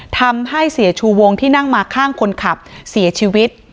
ทำให้เสียชูวงที่นั่งมาข้างคนขับเสียชีวิต